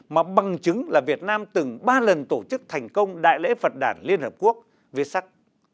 mà bằng chứng là việt nam từng ba lần tổ chức thành công đại lễ phật đảng liên hợp quốc viết sắc